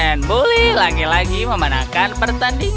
dan grand bully lagi lagi memenangkan pertandingan